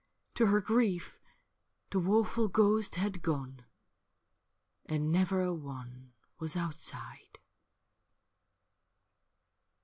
to her grief, the woful ghost had gone, And never a one was outside.